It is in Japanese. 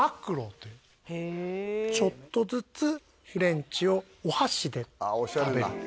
へえちょっとずつフレンチをお箸で食べるああ